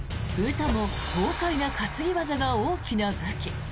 詩も豪快な担ぎ技が大きな武器。